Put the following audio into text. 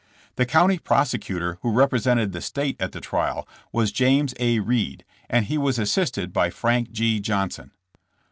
The county prosecutor who represented the state at the trial was James A. Eeed, and he was assisted by Frank G. Johnson.